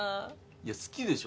いや好きでしょ。